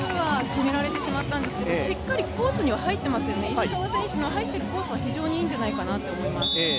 決められてしまったんですが、しっかりコースには入っていますよね、石川選手の入ってるコースは非常にいいんじゃないかなと思います。